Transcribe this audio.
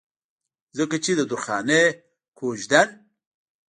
ځکه چې د درخانۍ کويژدن